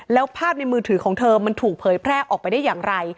แล้วภาพในมือถือของเธอมันถูกเผยแพร่ออกไปได้อย่างไร